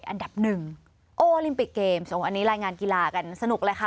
อันดับหนึ่งโอลิมปิกเกมอันนี้รายงานกีฬากันสนุกเลยค่ะ